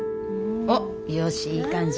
あっよしいい感じ。